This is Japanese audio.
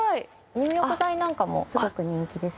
入浴剤なんかもすごく人気ですね。